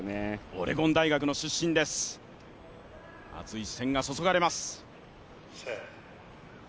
オレゴン大学の出身です、熱い視線が注がれます。